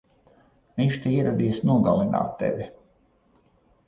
Viņš te ieradies nogalināt tevi!